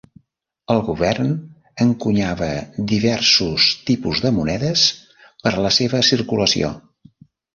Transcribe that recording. El govern encunyava diversos tipus de monedes per a la seva circulació.